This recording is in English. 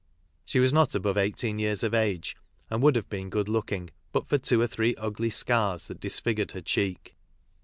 She was not above 18 years of age, and would have been good looking but for two or three ugly scars that disfigured her cheek.